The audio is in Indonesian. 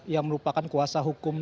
yang merupakan kuasa hukum